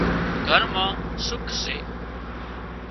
گھر مان سُک سي